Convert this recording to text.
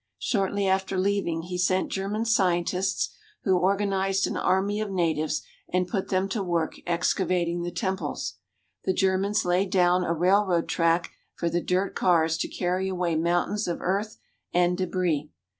Shortly after leaving he sent German scientists, who organized an army of natives and put them to work ex cavating the temples. The Germans laid down a rail road track for the dirt cars to carry away mountains of earth and debris.